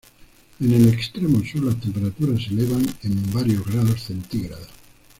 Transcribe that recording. En el extremo sur las temperaturas se elevan en varios grados centígrados.